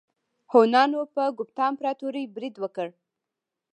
هونانو په ګوپتا امپراتورۍ برید وکړ.